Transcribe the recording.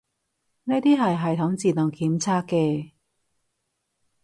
呢啲係系統自動檢測嘅